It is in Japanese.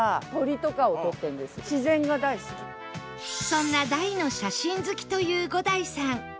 そんな大の写真好きという伍代さん